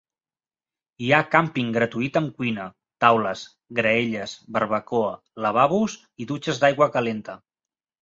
Hi ha càmping gratuït amb cuina, taules, graelles, barbacoa, lavabos i dutxes d'aigua calenta.